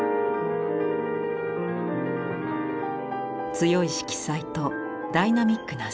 強い色彩とダイナミックな線。